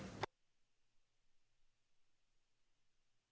hội thánh của đức chúa trời mẹ